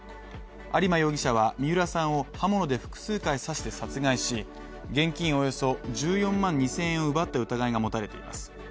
有馬容疑者は三浦さんを刃物で複数回刺して殺害し、現金およそ１４万２０００円を奪った疑いが持たれています。